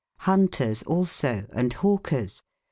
Runters also, & bawkers.